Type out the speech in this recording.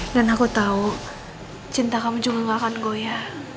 dan aku tau cinta kamu juga gak akan goya